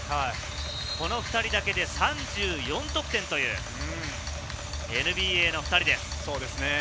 この２人だけで３４得点という、ＮＢＡの２人です。